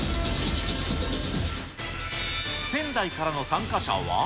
仙台からの参加者は。